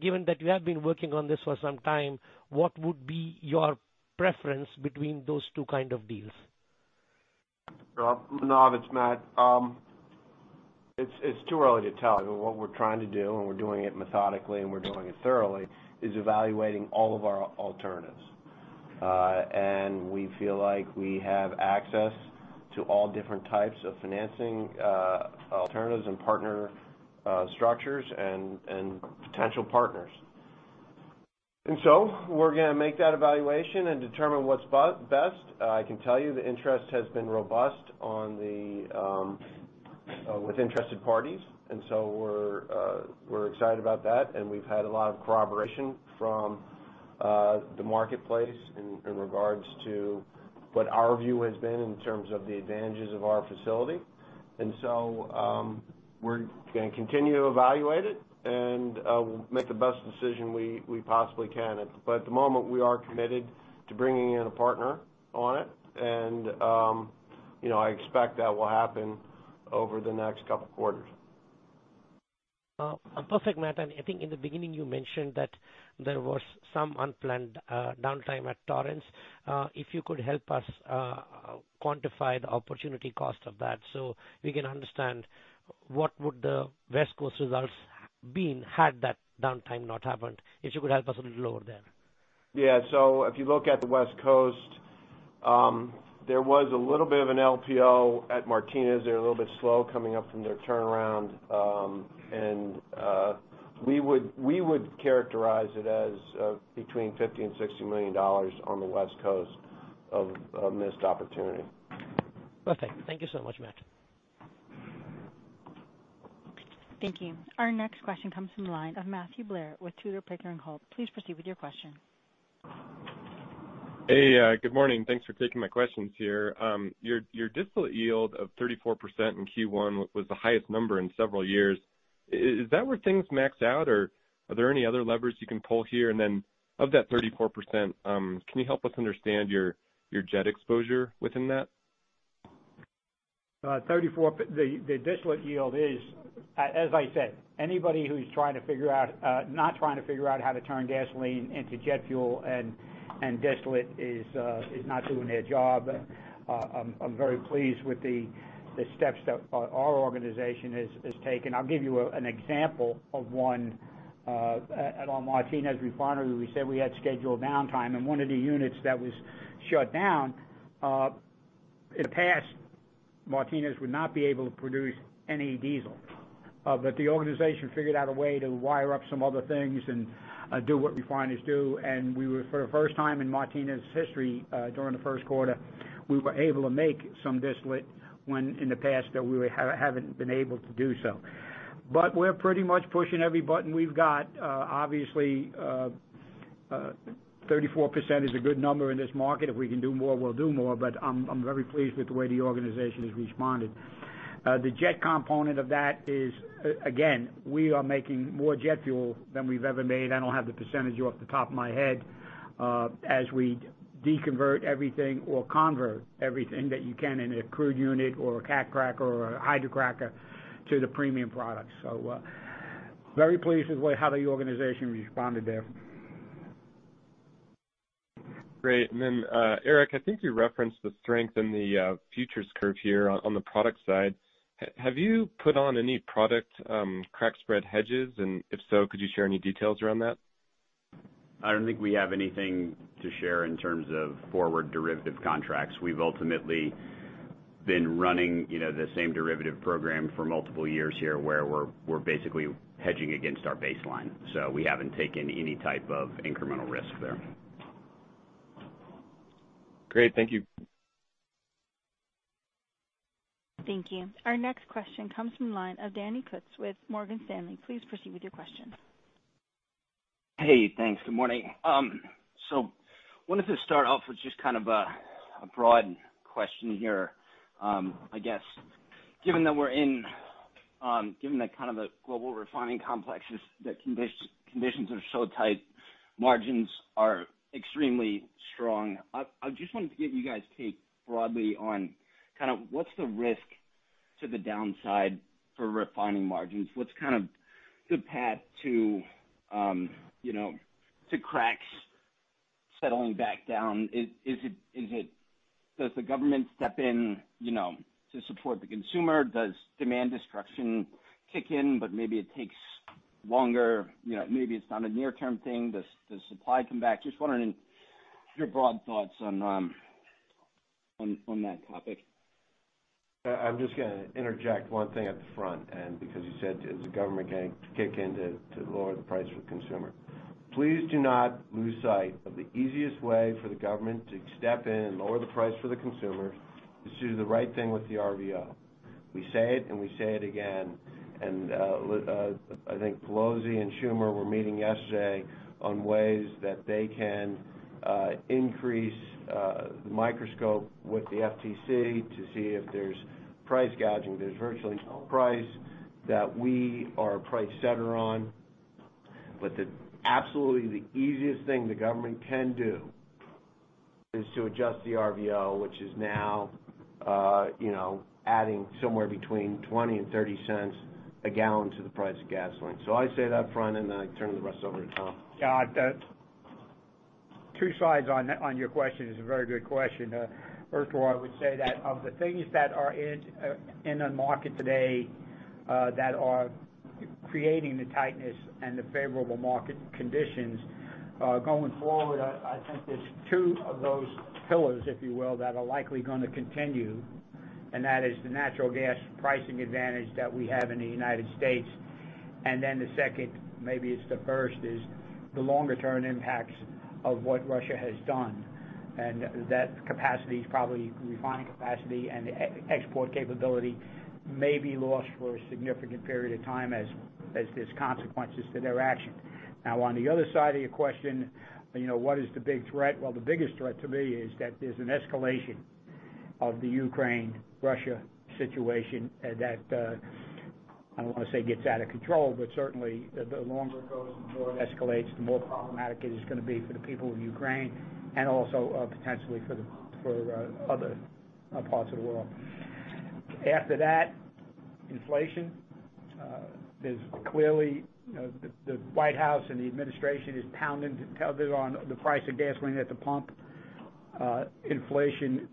Given that you have been working on this for some time, what would be your preference between those two kind of deals? Manav, it's Matt. It's too early to tell. What we're trying to do, and we're doing it methodically and we're doing it thoroughly, is evaluating all of our alternatives. We feel like we have access to all different types of financing alternatives and partner structures and potential partners. We're gonna make that evaluation and determine what's best. I can tell you the interest has been robust with interested parties, and so we're excited about that. We've had a lot of corroboration from the marketplace in regards to what our view has been in terms of the advantages of our facility. We're gonna continue to evaluate it and we'll make the best decision we possibly can. At the moment, we are committed to bringing in a partner on it and, you know, I expect that will happen over the next couple quarters. Perfect, Matt. I think in the beginning you mentioned that there was some unplanned downtime at Torrance. If you could help us quantify the opportunity cost of that so we can understand what would the West Coast results been had that downtime not happened? If you could help us a little over there. If you look at the West Coast, there was a little bit of an LPO at Martinez. They're a little bit slow coming up from their turnaround. We would characterize it as between $50 million and $60 million on the West Coast of missed opportunity. Okay, thank you so much, Matt. Thank you. Our next question comes from the line of Matthew Blair with Tudor, Pickering, Holt. Please proceed with your question. Hey, good morning. Thanks for taking my questions here. Your distillate yield of 34% in Q1 was the highest number in several years. Is that where things max out or are there any other levers you can pull here? Of that 34%, can you help us understand your jet exposure within that? 34% distillate yield is, as I said, anybody who's not trying to figure out how to turn gasoline into jet fuel and distillate is not doing their job. I'm very pleased with the steps that our organization has taken. I'll give you an example of one at our Martinez refinery. We said we had scheduled downtime and one of the units that was shut down, in the past, Martinez would not be able to produce any diesel. The organization figured out a way to wire up some other things and do what refineries do. We were, for the first time in Martinez history, during the first quarter, able to make some distillate when in the past we haven't been able to do so. We're pretty much pushing every button we've got. Obviously, 34% is a good number in this market. If we can do more, we'll do more, but I'm very pleased with the way the organization has responded. The jet component of that is, again, we are making more jet fuel than we've ever made. I don't have the percentage off the top of my head, as we divert everything or convert everything that you can in a crude unit or a cat cracker or a hydrocracker to the premium product. Very pleased with how the organization responded there. Great. Erik, I think you referenced the strength in the futures curve here on the product side. Have you put on any product crack spread hedges? If so, could you share any details around that? I don't think we have anything to share in terms of forward derivative contracts. We've ultimately been running, you know, the same derivative program for multiple years here, where we're basically hedging against our baseline, so we haven't taken any type of incremental risk there. Great. Thank you. Thank you. Our next question comes from the line of Daniel Kutz with Morgan Stanley. Please proceed with your question. Hey, thanks. Good morning. So wanted to start off with just kind of a broad question here. I guess given that kind of a global refining complex, the conditions are so tight, margins are extremely strong. I just wanted to get you guys' take broadly on kind of what's the risk to the downside for refining margins. What's kind of the path to, you know, to cracks settling back down? Is it, does the government step in, you know, to support the consumer? Does demand destruction kick in, but maybe it takes longer? You know, maybe it's not a near-term thing. Does supply come back? Just wondering your broad thoughts on that topic. I'm just gonna interject one thing at the front and because you said, is the government going to kick in to lower the price for the consumer? Please do not lose sight of the easiest way for the government to step in and lower the price for the consumer is to do the right thing with the RVO. We say it and we say it again. I think Pelosi and Schumer were meeting yesterday on ways that they can increase microscope with the FTC to see if there's price gouging. There's virtually no price that we are a price setter on. But absolutely the easiest thing the government can do. Is to adjust the RVO, which is now, you know, adding somewhere between $0.20-$0.30 a gallon to the price of gasoline. I say that upfront, and then I turn the rest over to Tom. Yeah. Two sides on your question. It's a very good question. First of all, I would say that of the things that are in the market today that are creating the tightness and the favorable market conditions going forward, I think there's two of those pillars, if you will, that are likely gonna continue, and that is the natural gas pricing advantage that we have in the United States. Then the second, maybe it's the first, is the longer term impacts of what Russia has done, and that capacity, probably refining capacity and export capability, may be lost for a significant period of time as there's consequences to their actions. Now, on the other side of your question, you know, what is the big threat? Well, the biggest threat to me is that there's an escalation of the Ukraine-Russia situation, that I don't wanna say gets out of control, but certainly the longer it goes and the more it escalates, the more problematic it is gonna be for the people of Ukraine and also potentially for other parts of the world. After that, inflation. There's clearly, you know, the White House and the administration is pounding the table on the price of gasoline at the pump. Inflation,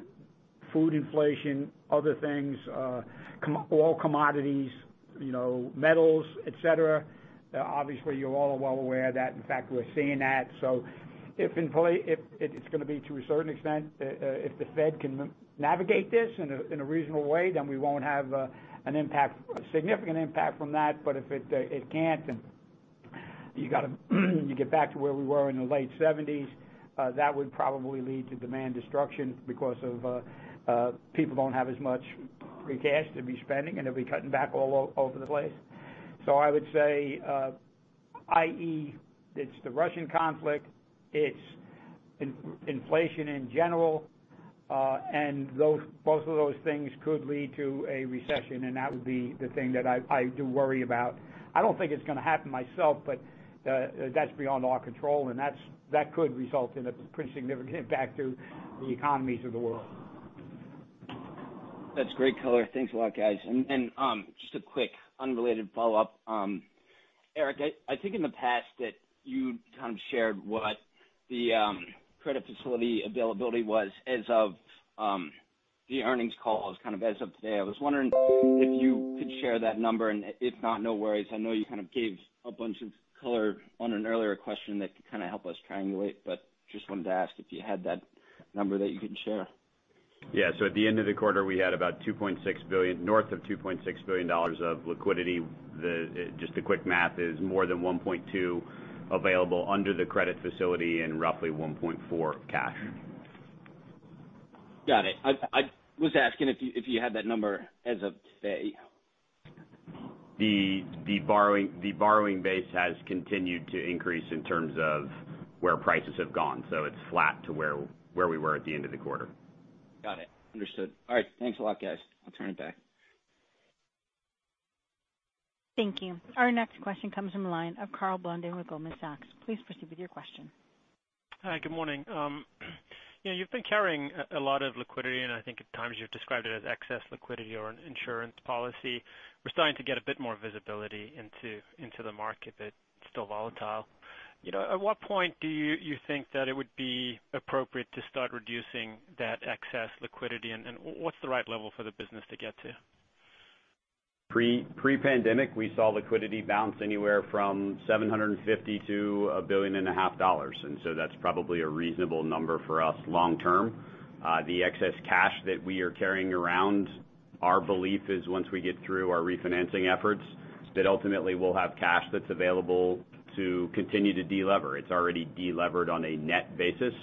food inflation, other things, oil commodities, you know, metals, et cetera. Obviously, you all are well aware of that. In fact, we're seeing that. If it's gonna be to a certain extent, if the Fed can navigate this in a reasonable way, then we won't have a significant impact from that. If it can't, then you gotta get back to where we were in the late seventies, that would probably lead to demand destruction because people don't have as much free cash to be spending, and they'll be cutting back all over the place. I would say, i.e., it's the Russian conflict, it's inflation in general, and both of those things could lead to a recession, and that would be the thing that I do worry about. I don't think it's gonna happen myself, but that's beyond our control, and that could result in a pretty significant impact to the economies of the world. That's great color. Thanks a lot, guys. Just a quick unrelated follow-up. Erik, I think in the past that you kind of shared what the credit facility availability was as of the earnings call as kind of as of today. I was wondering if you could share that number, and if not, no worries. I know you kind of gave a bunch of color on an earlier question that could kind of help us triangulate, but just wanted to ask if you had that number that you can share. Yeah. At the end of the quarter, we had about $2.6 billion, north of $2.6 billion of liquidity. Then, just a quick math is more than $1.2 available under the credit facility and roughly $1.4 cash. Got it. I was asking if you had that number as of today. The borrowing base has continued to increase in terms of where prices have gone. It's flat to where we were at the end of the quarter. Got it. Understood. All right. Thanks a lot, guys. I'll turn it back. Thank you. Our next question comes from the line of Karl Blunden with Goldman Sachs. Please proceed with your question. Hi, good morning. You know, you've been carrying a lot of liquidity, and I think at times you've described it as excess liquidity or an insurance policy. We're starting to get a bit more visibility into the market, but still volatile. You know, at what point do you think that it would be appropriate to start reducing that excess liquidity? What's the right level for the business to get to? Pre-pandemic, we saw liquidity bounce anywhere from $750 million-$1.5 billion, so that's probably a reasonable number for us long term. The excess cash that we are carrying around, our belief is once we get through our refinancing efforts, that ultimately we'll have cash that's available to continue to delever. It's already delevered on a net basis.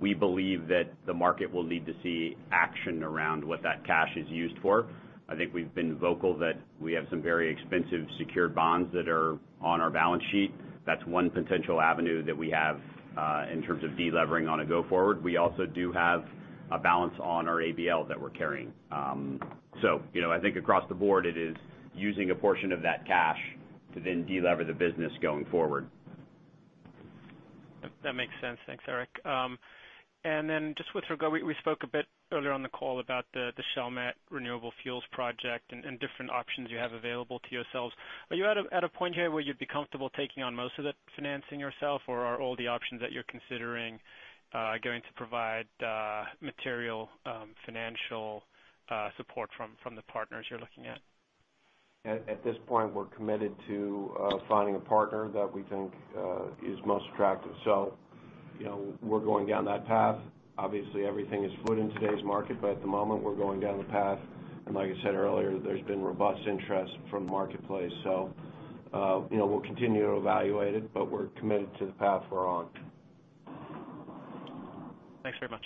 We believe that the market will need to see action around what that cash is used for. I think we've been vocal that we have some very expensive secured bonds that are on our balance sheet. That's one potential avenue that we have in terms of delevering going forward. We also do have a balance on our ABL that we're carrying. You know, I think across the board it is using a portion of that cash to then delever the business going forward. That makes sense. Thanks, Erik. Just with regard, we spoke a bit earlier on the call about the Chalmette renewable fuels project and different options you have available to yourselves. Are you at a point here where you'd be comfortable taking on most of the financing yourself, or are all the options that you're considering going to provide material financial support from the partners you're looking at? At this point, we're committed to finding a partner that we think is most attractive. You know, we're going down that path. Obviously, everything is fluid in today's market, but at the moment we're going down the path. Like I said earlier, there's been robust interest from the marketplace. You know, we'll continue to evaluate it, but we're committed to the path we're on. Thanks very much.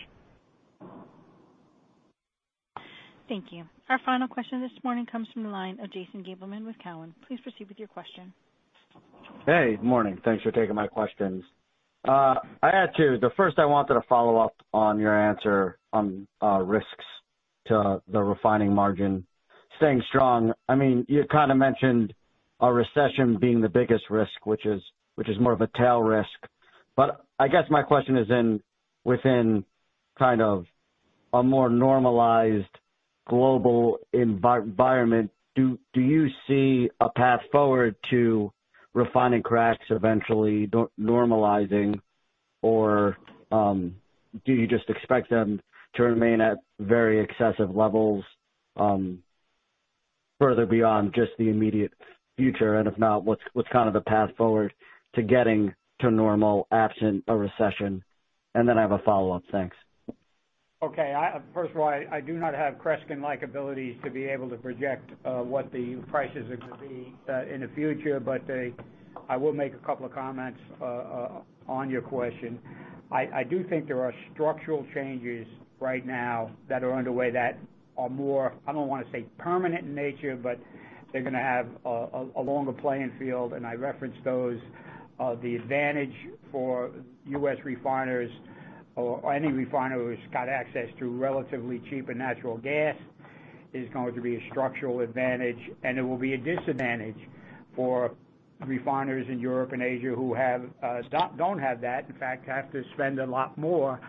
Thank you. Our final question this morning comes from the line of Jason Gabelman with Cowen. Please proceed with your question. Hey, good morning. Thanks for taking my questions. I had two. The first I wanted to follow up on your answer on, risks to the refining margin staying strong. I mean, you kind of mentioned a recession being the biggest risk, which is more of a tail risk. I guess my question is in, within kind of a more normalized global environment, do you see a path forward to refining cracks eventually normalizing or, do you just expect them to remain at very excessive levels, further beyond just the immediate future? If not, what's kind of the path forward to getting to normal absent a recession? Then I have a follow-up. Thanks. Okay. First of all, I do not have Kreskin-like abilities to be able to project what the prices are gonna be in the future, but I will make a couple of comments on your question. I do think there are structural changes right now that are underway that are more. I don't wanna say permanent in nature, but they're gonna have a longer playing field, and I referenced those. The advantage for U.S. refiners or any refiner who's got access to relatively cheaper natural gas is going to be a structural advantage, and it will be a disadvantage for refiners in Europe and Asia who don't have that, in fact, have to spend a lot more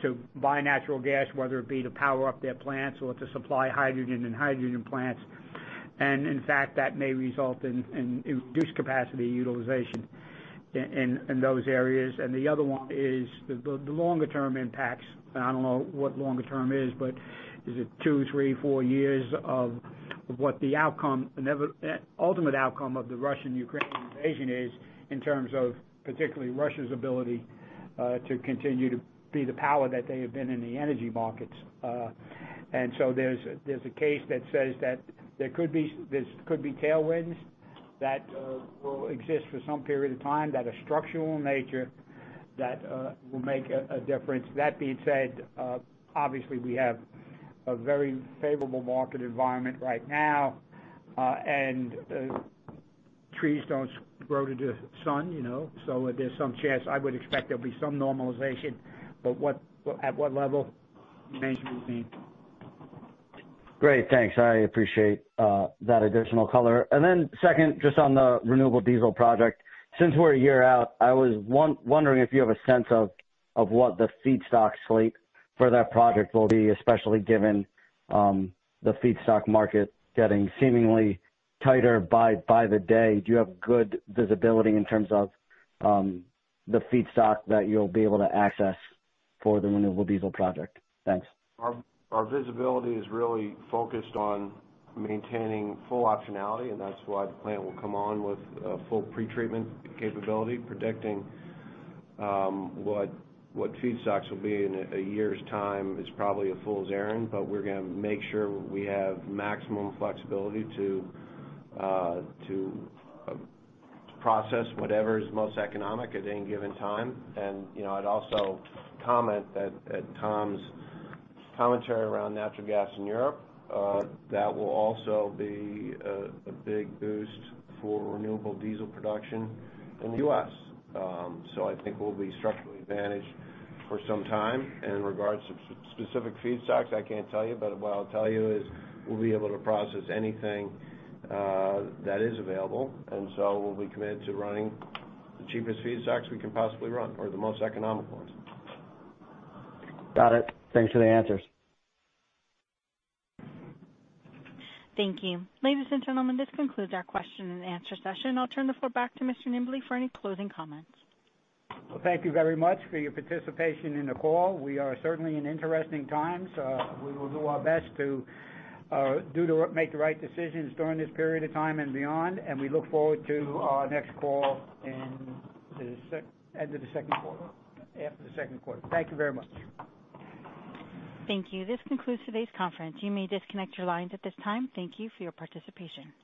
to buy natural gas, whether it be to power up their plants or to supply hydrogen and hydrogen plants. In fact, that may result in reduced capacity utilization in those areas. The other one is the longer term impacts, and I don't know what longer term is, but is it two, three, four years of what the outcome and ultimate outcome of the Russian-Ukrainian Invasion is in terms of particularly Russia's ability to continue to be the power that they have been in the energy markets. There's a case that says that this could be tailwinds that will exist for some period of time that are structural in nature that will make a difference. That being said, obviously we have a very favorable market environment right now, and trees don't grow to the sky, you know. There's some chance. I would expect there'll be some normalization, but at what level remains to be seen. Great. Thanks. I appreciate that additional color. Second, just on the renewable diesel project. Since we're a year out, I was wondering if you have a sense of what the feedstock slate for that project will be, especially given the feedstock market getting seemingly tighter by the day. Do you have good visibility in terms of the feedstock that you'll be able to access for the renewable diesel project? Thanks. Our visibility is really focused on maintaining full optionality, and that's why the plant will come on with full pretreatment capability. Predicting what feedstocks will be in a year's time is probably a fool's errand, but we're gonna make sure we have maximum flexibility to process whatever is most economic at any given time. You know, I'd also comment that at Tom's commentary around natural gas in Europe, that will also be a big boost for renewable diesel production in the U.S. I think we'll be structurally advantaged for some time. In regards to specific feedstocks, I can't tell you, but what I'll tell you is we'll be able to process anything that is available. We'll be committed to running the cheapest feedstocks we can possibly run or the most economical ones. Got it. Thanks for the answers. Thank you. Ladies and gentlemen, this concludes our question and answer session. I'll turn the floor back to Mr. Nimbley for any closing comments. Well, thank you very much for your participation in the call. We are certainly in interesting times. We will do our best to make the right decisions during this period of time and beyond, and we look forward to our next call at the end of the second quarter, after the second quarter. Thank you very much. Thank you. This concludes today's conference. You may disconnect your lines at this time. Thank you for your participation.